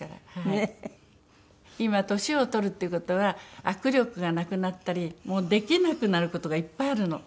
今年を取るっていう事は握力がなくなったりもうできなくなる事がいっぱいあるの。